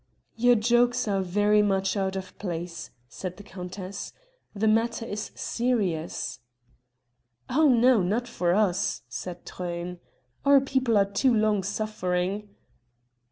"Your jokes are very much out of place," said the countess, "the matter is serious." "Oh, no! not for us," said Truyn. "Our people are too long suffering."